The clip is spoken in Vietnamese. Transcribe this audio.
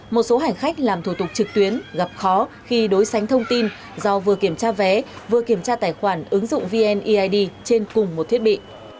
một số hành khách làm thủ tục trực tuyến gặp khó khi đối sánh thông tin do vừa kiểm tra vé vừa kiểm tra tài khoản ứng dụng vneid trên cùng một thiết bị